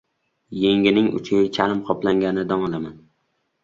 Yengining uchiga charm qoplanganidan olaman.